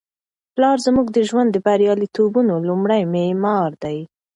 پلار زموږ د ژوند د بریالیتوبونو لومړی معمار دی.